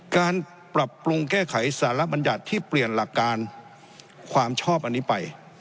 การปรับปรุงแก้ไขสารบัญญัติที่เปลี่ยนหลักการความชอบอันนี้ไป